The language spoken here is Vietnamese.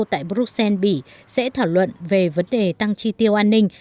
tại bruxelles bỉ sẽ thảo luận về vấn đề tăng tri tiêu an ninh